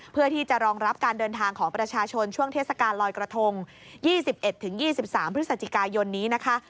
เพื่อที่จะรองรับการเดินทางของประชาชนช่วงเทศกาลลอยกระทง๒๑๒๓พฤศจิกายนนี้นะคะ